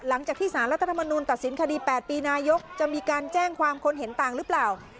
หลังจากที่สารรัฐธรรมนุนตัดสินคดี๘ปีนายกจะมีการแจ้งความคนเห็นต่างหรือเปล่า